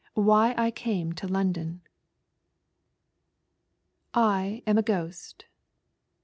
WHY I CAME TO LONDON. I i AM a Ghost.